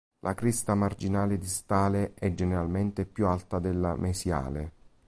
La cresta marginale distale è generalmente più alta della mesiale.